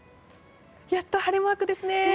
やっと晴れマークですね。